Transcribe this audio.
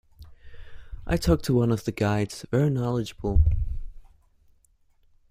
I talked to one of the guides – very knowledgeable.